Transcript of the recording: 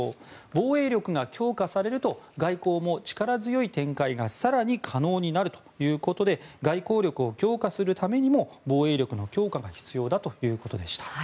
防衛力が強化されると外交も力強い展開が更に可能になるということで外交力を強化するためにも防衛力の強化が必要ということでした。